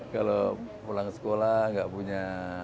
kalau pulang ke sekolah gak punya